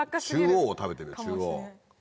中央を食べてみる中央。